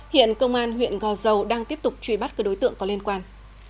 hiện công an huyện gò dầu đang tiếp tục truy bắt các đối tượng có liên quan